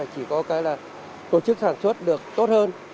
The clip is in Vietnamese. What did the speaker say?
chỉ có tổ chức sản xuất được tốt hơn